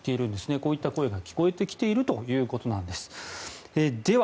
こういった声が聞こえてきているということです。